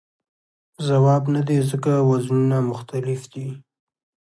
ځواب نه دی ځکه وزنونه مختلف دي.